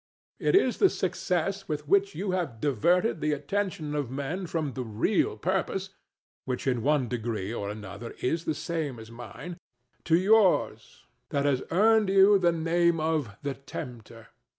It is the success with which you have diverted the attention of men from their real purpose, which in one degree or another is the same as mine, to yours, that has earned you the name of The Tempter.